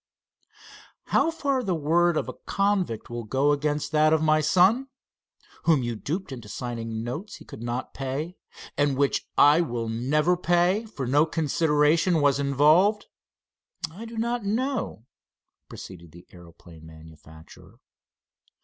"How far the word of a convict will go against that of my son, whom you duped into signing notes he could not pay, and which I will never pay, for no consideration was involved, I do not know," proceeded the aeroplane manufacturer.